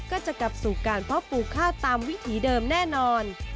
ก็จะกลับสู่การเพาะปลูกข้าวตามวิถีเดิมแน่นอน